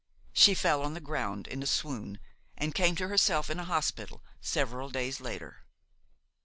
She fell on the ground in a swoon, and came to herself in a hospital–several days later.